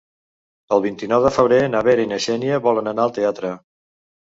El vint-i-nou de febrer na Vera i na Xènia volen anar al teatre.